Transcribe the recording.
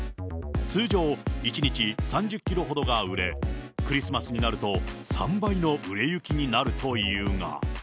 通常１日３０キロほどが売れ、クリスマスになると３倍の売れ行きになるというが。